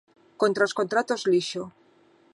Contra os contratos lixo.